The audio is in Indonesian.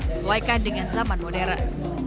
sesuaikan dengan zaman modern